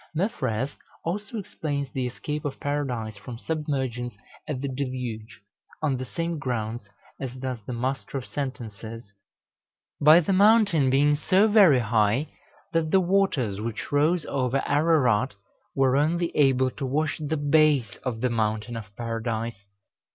Meffreth also explains the escape of Paradise from submergence at the Deluge, on the same grounds as does the Master of Sentences (lib. 2, dist. 17, c. 5), by the mountain being so very high that the waters which rose over Ararat were only able to wash the base of the mountain of Paradise.